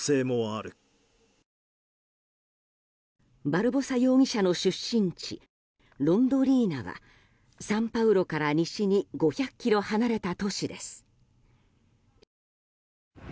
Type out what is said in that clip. バルボサ容疑者の出身地ロンドリーナはサンパウロから西に５００ｋｍ離れた都市です。